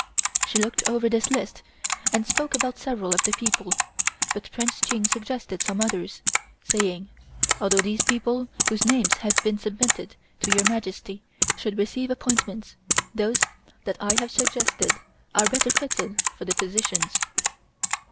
She looked over this list and spoke about several of the people, but Prince Ching suggested some others, saying: "Although these people whose names have been submitted to Your Majesty should receive appointments, those that I have suggested are better fitted for the positions."